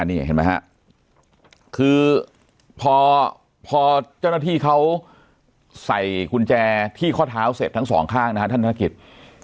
นี่เห็นไหมฮะคือพอพอเจ้าหน้าที่เขาใส่กุญแจที่ข้อเท้าเสร็จทั้งสองข้างนะฮะท่านธนกิจ